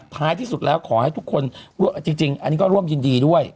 ท้ายที่สุดแล้วขอให้ทุกคนจริงอันนี้ก็ร่วมยินดีด้วย